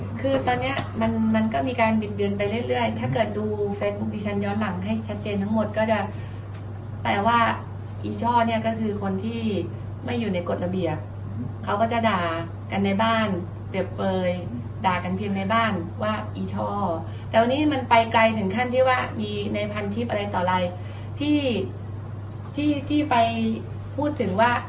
คือตอนเนี้ยมันมันก็มีการบิดเบือนไปเรื่อยถ้าเกิดดูเฟซบุ๊คดิฉันย้อนหลังให้ชัดเจนทั้งหมดก็จะแปลว่าอีช่อเนี่ยก็คือคนที่ไม่อยู่ในกฎระเบียบเขาก็จะด่ากันในบ้านเปรียบเปลยด่ากันเพียงในบ้านว่าอีช่อแต่วันนี้มันไปไกลถึงขั้นที่ว่ามีในพันทิพย์อะไรต่ออะไรที่ที่ไปพูดถึงว่า